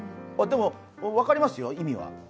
でも、分かりますよ、意味は。